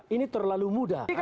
ini terlalu mudah